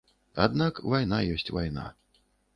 Аднак вайна ёсць вайна.